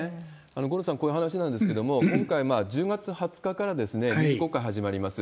五郎さん、こういう話なんですけれども、今回、１０月２０日から臨時国会始まります。